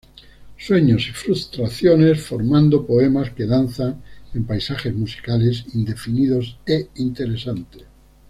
Sueños y frustraciones formando poemas que danzan en paisajes musicales indefinidos e interesantes.